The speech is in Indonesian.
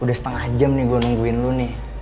udah setengah jam nih gue nungguin lu nih